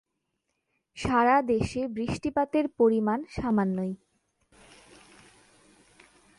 সারা দেশে বৃষ্টিপাতের পরিমাণ সামান্যই।